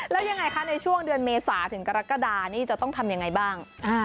แล้วยังไงคะในช่วงเดือนเมษาถึงกรกฎานี่จะต้องทำยังไงบ้าง